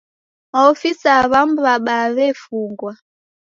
Maofisaa w'amu w'abaa w'efungwa.